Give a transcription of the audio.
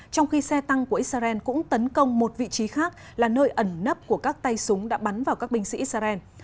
trong khi xe tăng của israel cũng tấn công một vị trí khác là nơi ẩn nấp của các tay súng đã bắn vào các binh sĩ israel